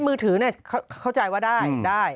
มือถือเนี่ยเข้าใจว่าได้ได้